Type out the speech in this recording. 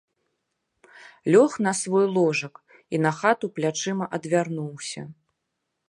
Лёг на свой ложак і на хату плячыма адвярнуўся.